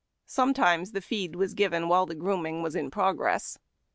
Sometimes the feed was given while the grooming was in progress.